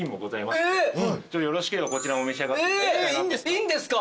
いいんですか？